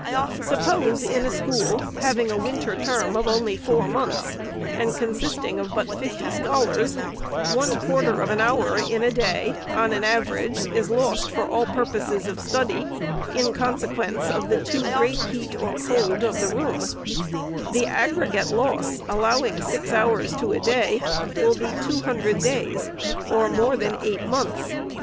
Suppose in a school, having a winter term of only four months, and consisting of but fifty scholars, one quarter of an hour in a day, on a'n average, is lost for all purposes of study, in consequence of the too great heat or cold of the room ; the aggregate loss, allowing six hours to a day, will be two hundred days, or more than eight months.